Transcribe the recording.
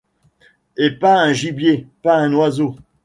Et pas un gibier, pas un oiseau !